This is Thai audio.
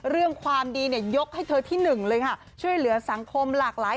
เรื่องความดีเนี่ยยกให้เธอที่หนึ่งเลยค่ะช่วยเหลือสังคมหลากหลาย